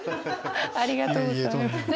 ありがとうございます。